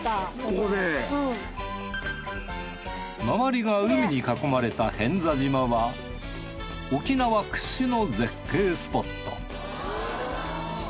周りが海に囲まれた平安座島は沖縄屈指の絶景スポット